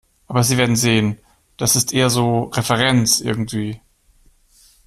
Aber Sie werden sehen, das ist eher so Referenz, irgendwie.